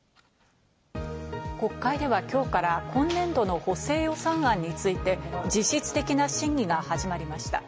国会では今日から今年度の補正予算案について、実質的な審議が始まりました。